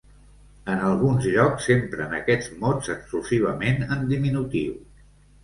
En alguns llocs s'empren aquests mots exclusivament en diminutiu.